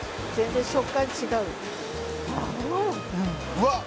うわっ！